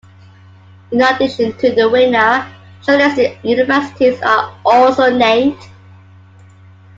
In addition to the winner, shortlisted universities are also named.